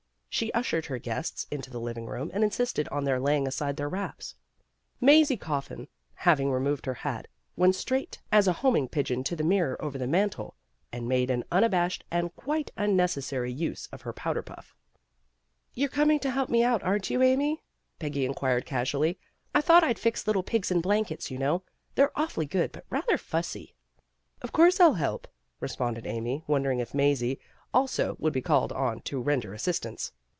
She ushered her guests into the living room and insisted on their laying aside their wraps. Mazie Coffin Jiaving re moved her hat, went straight as a homing pigeon to the mirror over the mantel, and made an unabashed and quite unnecessary use of her powder puff. "You're coming out to help me, aren't you, Amy?" Peggy inquired casually. "I thought I'd fix little pigs in blankets, you know. They're awfully good, but rather fussy." "Why, of course I'll help," responded Amy, wondering if Mazie, also, would be called on to render assistance.